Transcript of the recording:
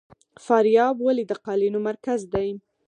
فاریاب ولې د قالینو مرکز دی؟